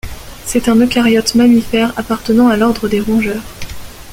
Cet un eucaryote mammifère appartenant à l’ordre des rongeurs.